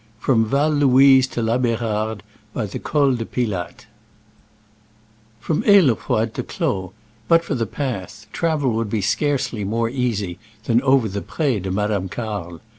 FROM VAL LOUISE TO LA B^RARDE BY THE COL DE PILATTE. FROM Ailefroide to Claux, but for the path, travel would be scarcely more easy than over the Pre de Madame Carle.